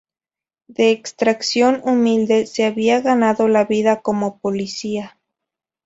De extracción humilde, se había ganado la vida como policía.